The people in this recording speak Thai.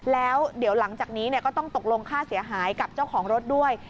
แล้วเดี๋ยวหลังจากนี้ก็ต้องตกลงค่าเสียหายกับเจ้าของรถด้วย